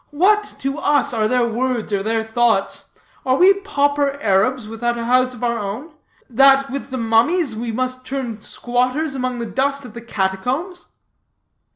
What to us are their words or their thoughts? Are we pauper Arabs, without a house of our own, that, with the mummies, we must turn squatters among the dust of the Catacombs?"